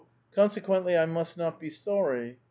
Consequently, I must not be sorry.